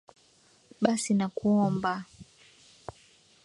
basi nakuomba